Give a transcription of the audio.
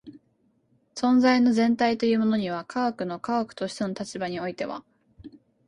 存在の全体というものには科学の科学としての立場においては